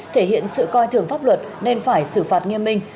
thể hiện sự coi thường pháp luật nên phải xử phạt nghiêm minh